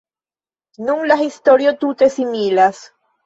Nun la historio tute similas.